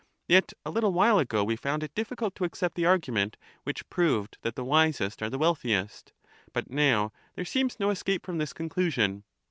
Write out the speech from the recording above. Yet a little while ago we found it difficult to accept the argument which 403 proved that the wisest are the wealthiest. But now there seems no escape from this conclusion.